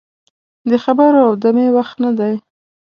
د خبرو او دمې وخت نه دی.